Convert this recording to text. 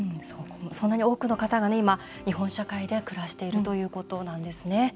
そんなに多くの方が今日本社会では暮らしているということなんですね。